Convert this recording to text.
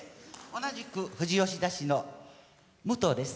同じく富士吉田市のむとうです。